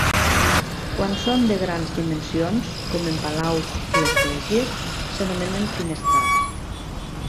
Quan són de grans dimensions, com en palaus i esglésies, s'anomenen finestrals.